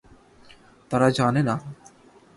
তারা জানে না।